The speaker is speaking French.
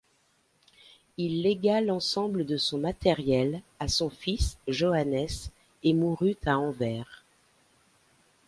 Il légua l'ensemble de son matériel à son fils Joannes et mourut à Anvers.